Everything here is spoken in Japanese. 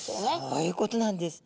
そういうことなんです。